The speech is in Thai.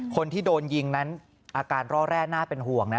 คนที่โดนยิงนั้นอาการร่อแร่น่าเป็นห่วงนะ